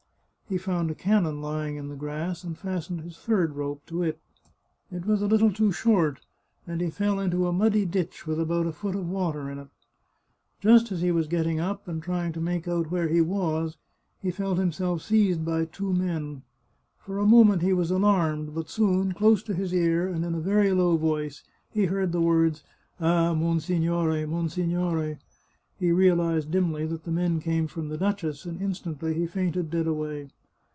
He found a cannon lying in the grass, and fastened his third rope to it. It was a little too short, and he fell into a muddy ditch, with about a foot of water in it. Just as he was getting up, and trying to make out where he was, he felt him self seized by two men ; for a moment he was alarmed, but soon, close to his ear, and in a very low voice, he heard the words, " Ah, monsignore, monsignore !" He realized dimly that the men came from the duchess, and instantly he fainted dead away.